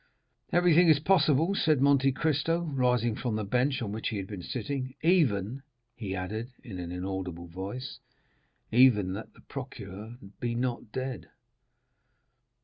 "Everything is possible," said Monte Cristo, rising from the bench on which he had been sitting; "even," he added in an inaudible voice, "even that the procureur be not dead.